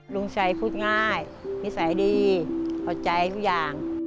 ลุงชัยพูดง่ายนิสัยดีพอใจทุกอย่าง